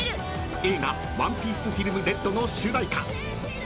［映画『ＯＮＥＰＩＥＣＥＦＩＬＭＲＥＤ』の主題歌］